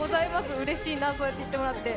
うれしいな、そうやって言ってもらって。